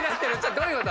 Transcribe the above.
どういうこと？